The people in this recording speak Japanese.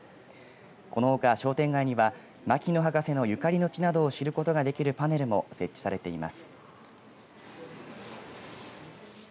このほかに商店街には牧野博士のゆかりの地などを知ることができるパネルの設置されています。